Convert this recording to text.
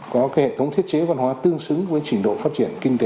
có hệ thống thiết chế văn hóa tương xứng với trình độ phát triển kinh tế